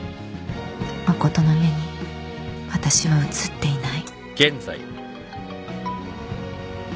誠の目に私は映っていない